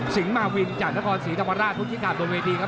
สิงหมาวินจากทะคอนศรีธวราชทุกชิ้นขาดบนเวทีครับ